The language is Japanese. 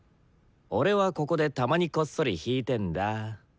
俺はここでたまにこっそり弾いてんだ。